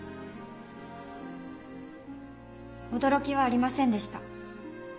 驚きはありませんでした。